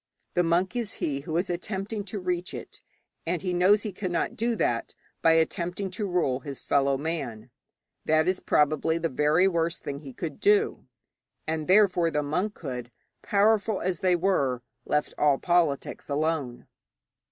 The monk is he who is attempting to reach it, and he knows that he cannot do that by attempting to rule his fellow man; that is probably the very worst thing he could do. And therefore the monkhood, powerful as they were, left all politics alone.